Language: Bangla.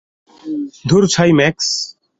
ধুর ছাই, ম্যাক্স।